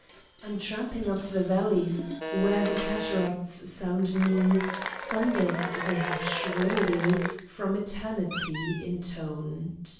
I'm tramping up the valleys Where the cataracts sound me Thunders they have shrilly From eternity intoned.